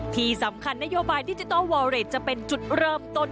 ที่สำคัญนโยบายดิจิทัลวอเรดจะเป็นจุดเริ่มต้น